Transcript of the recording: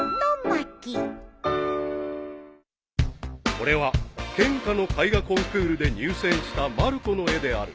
［これは県下の絵画コンクールで入選したまる子の絵である］